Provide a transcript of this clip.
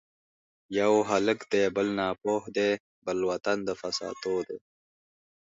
یو هلک دی بل ناپوه دی ـ بل وطن د فساتو دی